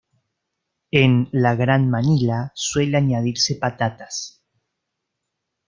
En la Gran Manila suele añadirse patatas.